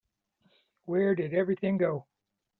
Where did everything go?